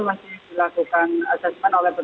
petugas hingga sini sudah menyiapkan pre ponemaster